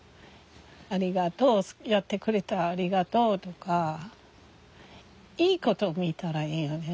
ありがとうやってくれてありがとうとかいいこと見たらいいよね。